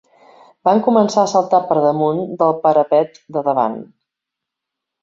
Van començar a saltar per damunt del parapet de davant